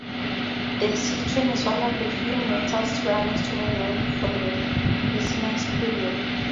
The cittern is one of the few metal-strung instruments known from the Renaissance period.